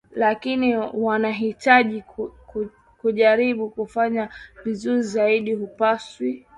lakini wanahitaji kujaribu kufanya vizuri zaidi Haupaswi